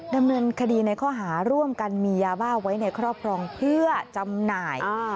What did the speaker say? ดำเนินคดีในข้อหาร่วมกันมียาบ้าไว้ในครอบครองเพื่อจำหน่าย